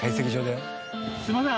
ああすいません！